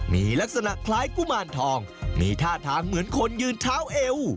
มีลักษณะคล้ายกุมารทองมีท่าทางเหมือนคนยืนเท้าเอว